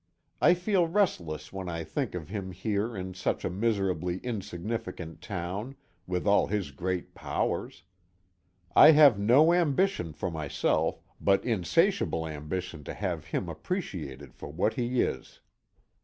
I feel restless when I think of him here in such a miserably insignificant town, with all his great powers. I have no ambition for myself, but insatiable ambition to have him appreciated for what he is.